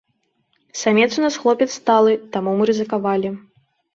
Самец у нас хлопец сталы, таму мы рызыкавалі.